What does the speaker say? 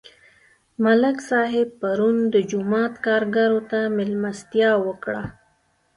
ملک صاحب پرون د جومات کارګرو ته مېلمستیا وکړه.